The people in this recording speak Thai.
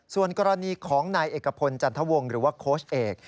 ส่วนกรณีของนายเอกพลจันทวงศ์หรือว่าโค้ชเอก